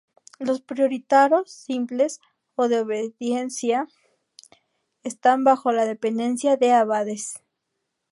Los Prioratos Simples o De Obediencia están bajo la dependencia de abades.